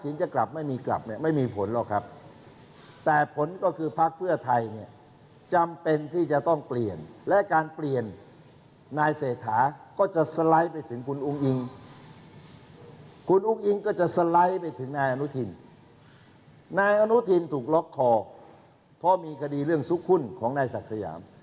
ในอนุทีมถูกล็อกคอเพราะมีคดีเรื่องสุขุ้นของนายศักดิ์สยาม